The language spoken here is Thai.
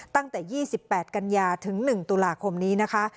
ตั้งแต่๒๘กันยาถึง๑ตุลาคมนี้นะคะ